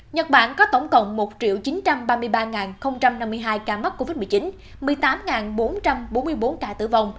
nhật bản có tổng cộng một chín trăm ba mươi ba năm mươi hai ca mắc covid một mươi chín một mươi tám bốn trăm bốn mươi bốn ca tử vong